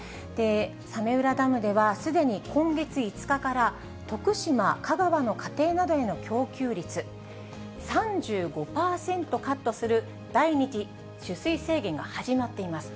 早明浦ダムでは、すでに今月５日から、徳島、香川の家庭などへの供給率３５％カットする、第２次取水制限が始まっています。